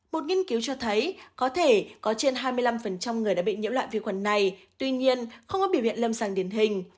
một nghiên cứu cho thấy có thể có trên hai mươi năm người đã bị nhiễm loại vi khuẩn này tuy nhiên không có biểu hiện lâm sàng điển hình